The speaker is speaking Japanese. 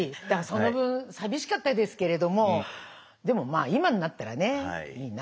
その分寂しかったですけれどもでもまあ今になったらねいいなと思いますよ。